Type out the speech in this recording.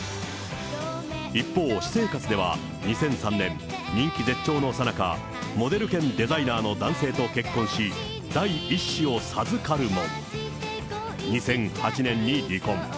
一方、私生活では２００３年、人気絶頂のさなか、モデル兼デザイナーの男性と結婚し、第１子を授かるも、２００８年に離婚。